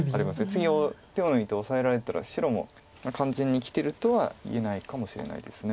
次手を抜いてオサえられたら白も完全に生きてるとは言えないかもしれないです。